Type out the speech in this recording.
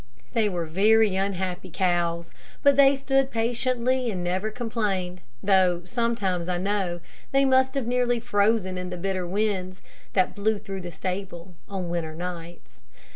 They were very unhappy cows, but they stood patiently and never complained, though sometimes I know they must have nearly frozen in the bitter winds that blew through the stable on winter nights.